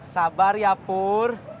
sabar ya pur